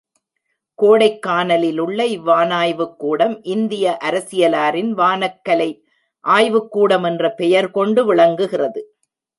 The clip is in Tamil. கோடைக்கானலிலுள்ள இவ்வானாய்வுக் கூடம், இந்திய அரசியலாரின் வானக்கலை ஆய்வுக்கூடம் என்ற பெயர் கொண்டு விளங்குகிறது.